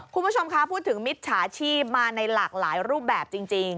คุณผู้ชมคะพูดถึงมิจฉาชีพมาในหลากหลายรูปแบบจริง